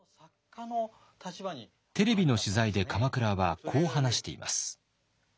テレビの取材で鎌倉はこう話しています。